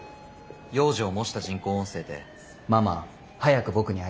幼児を模した人工音声で「ママ早く僕に会いたい？